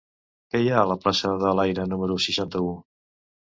Què hi ha a la plaça de l'Aire número seixanta-u?